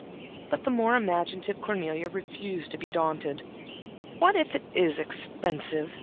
But the more imaginative Cornelia refused to be daunted. "What if it is expensive!"